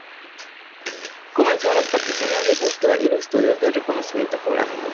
Comenzaron las partidas de búsqueda y los estudios de reconocimiento geográfico.